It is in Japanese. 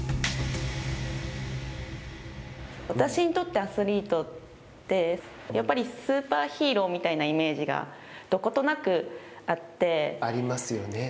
私にとってアスリートってやっぱりスーパーヒーローみたいなイメージがありますよね。